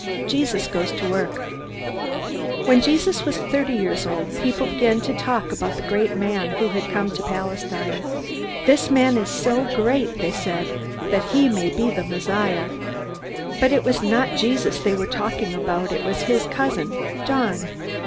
4. Jesus Goes to Work When Jesus was thirty years old, people began to talk about the great man who had come to Palestine. "This man is so great," they said, "that he may be the Messiah." But it was not Jesus they were talking about. It was his cousin, John.